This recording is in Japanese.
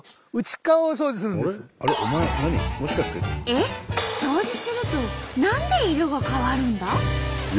えっ？掃除すると何で色が変わるんだ？